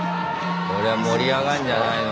これは盛り上がんじゃないの？